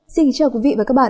xin chào quý vị và các bạn